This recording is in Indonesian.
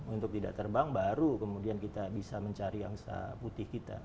untuk tidak terbang baru kemudian kita bisa mencari angsa putih kita